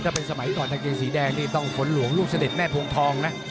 ถ้าเป็นสมัยก่อนกางเกงสีแดงนี่ต้องฝนหลวงลูกเสด็จแม่พวงทองนะ